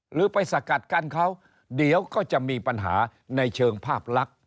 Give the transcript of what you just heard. หรือไปสกัดกั้นเขาเดี๋ยวก็จะมีปัญหาในเชิงภาพลักษณ์